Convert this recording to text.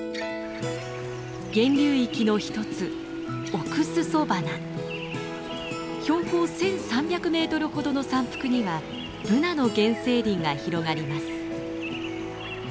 源流域の一つ標高１，３００メートルほどの山腹にはブナの原生林が広がります。